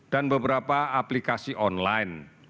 dan beberapa aplikasi online